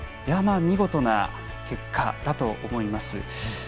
見事な結果だと思います。